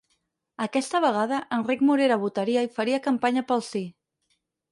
Aquesta vegada, Enric Morera votaria i faria campanya pel sí.